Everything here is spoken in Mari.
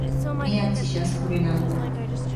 Меат сечас пурена.